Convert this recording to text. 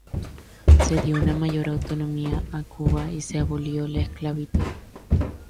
Se dio una mayor autonomía a Cuba y se abolió la esclavitud.